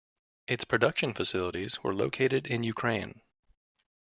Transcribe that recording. Its production facilities were located in Ukraine.